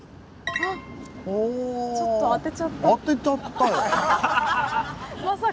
あちょっと当てちゃった。